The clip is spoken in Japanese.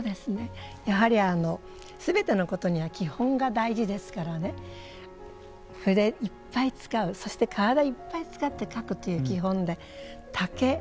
やはり全てのことには基本が大事ですからね筆いっぱい使うそして体いっぱい使って描くという基本で竹蘭菊梅